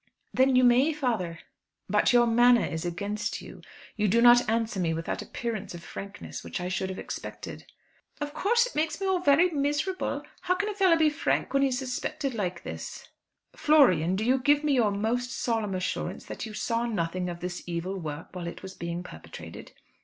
"Then you may, father." "But your manner is against you. You do not answer me with that appearance of frankness which I should have expected." "Of course it all makes me very miserable. How can a fellow be frank when he's suspected like this?" "Florian, do you give me your most solemn assurance that you saw nothing of this evil work while it was being perpetrated?"